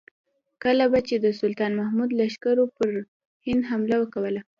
کله به چې د سلطان محمود لښکرو پر هند حمله کوله.